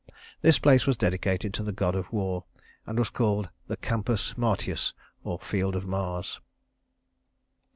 This place was dedicated to the god of war, and was called the Campus Martius, or Field of Mars.